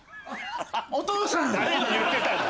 お父さん！